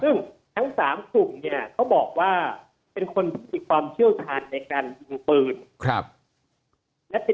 ซึ่งทั้ง๓ปุ่มเขาบอกว่าเป็นคนที่ติดความเชื่อพาดและกันอีกการติดเปิด